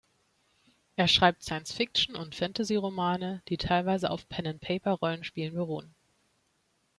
Er schreibt Science-Fiction und Fantasyromane, die teilweise auf Pen-&-Paper-Rollenspielen beruhen.